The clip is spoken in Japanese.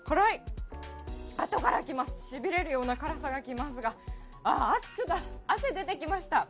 あとから来ます、しびれるような辛さが来ますが、あっ、汗出てきました。